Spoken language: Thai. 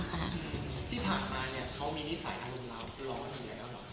ที่ผ่านมาเขามีนิสัยอารมณ์ร้อนเยอะแล้วหรือ